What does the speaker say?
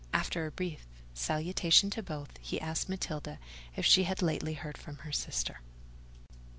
After a brief salutation to both, he asked Matilda if she had lately heard from her sister.